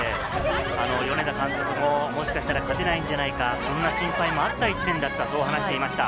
米田監督ももしかしたら勝てないんじゃないか、そんな心配もあった１年だったと話していました。